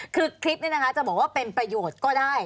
คือคลิปนี้นะคะจะบอกว่าเป็นประโยชน์ก็ได้